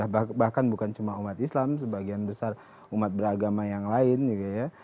bahkan bukan cuma umat islam sebagian besar umat beragama yang lain gitu ya